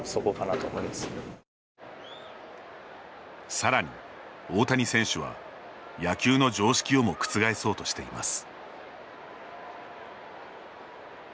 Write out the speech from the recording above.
さらに、大谷選手は野球の常識をも覆そうとしています。